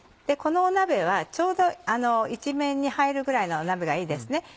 この鍋はちょうど一面に入るぐらいの鍋がいいですね。